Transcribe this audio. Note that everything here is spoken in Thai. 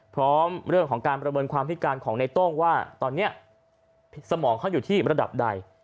พร้อมเรื่องของการประเมินความพิการของในโต้งว่าตอนนี้สมองเขาอยู่ที่ระดับใด